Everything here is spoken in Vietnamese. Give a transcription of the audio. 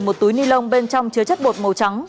một túi ni lông bên trong chứa chất bột màu trắng